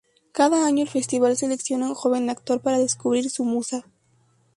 Cada año el Festival selecciona un joven actor para descubrir su musa.